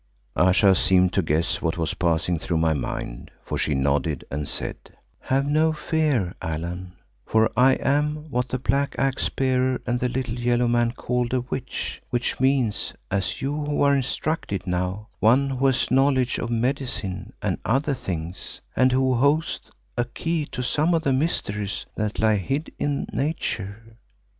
Ayesha seemed to guess what was passing through my mind, for she nodded and said, "Have no fear, Allan, for I am what the black axe bearer and the little yellow man called a 'witch' which means, as you who are instructed know, one who has knowledge of medicine and other things and who holds a key to some of the mysteries that lie hid in Nature."